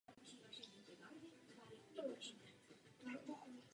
Celkově Rudí připomínají starověký Řím.